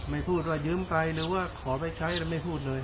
พูดว่ายืมไปหรือว่าขอไปใช้แล้วไม่พูดเลย